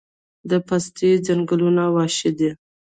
د پستې ځنګلونه وحشي دي؟